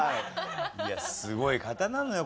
すごい方なのよ